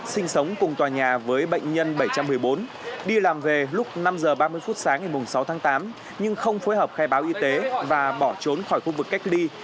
sinh sống cùng tòa nhà với bệnh nhân bảy trăm một mươi bốn đi làm về lúc năm h ba mươi phút sáng ngày sáu tháng tám nhưng không phối hợp khai báo y tế và bỏ trốn khỏi khu vực cách ly